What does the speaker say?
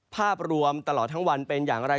ภาพรวมตลอดทั้งวันเป็นอย่างไร